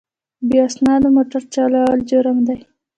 بې اسنادو موټر چلول جرم دی.